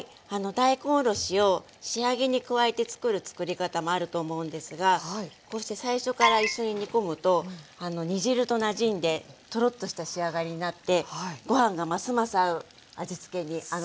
大根おろしを仕上げに加えてつくるつくり方もあると思うんですがこうして最初から一緒に煮込むと煮汁となじんでトロッとした仕上がりになってご飯がますます合う仕上がりになります。